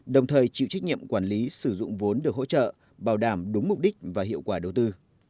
đồng thời chịu trách nhiệm quản lý sử dụng vốn được hỗ trợ bảo đảm đúng mục đích và hiệu quả đầu tư